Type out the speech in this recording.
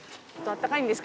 あったかいです。